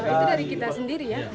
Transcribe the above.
itu dari kita sendiri ya